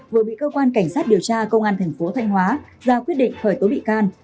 vừa bị cơ quan cảnh sát điều tra công an thành phố thanh hóa ra quyết định khởi tố bị can